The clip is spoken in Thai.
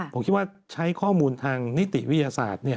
ผมคิดว่าใช้ข้อมูลทางนิติวิทยาศาสตร์